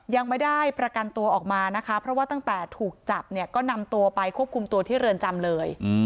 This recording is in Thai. ยังไม่ได้ประกันตัวออกมานะคะเพราะว่าตั้งแต่ถูกจับเนี่ยก็นำตัวไปควบคุมตัวที่เรือนจำเลย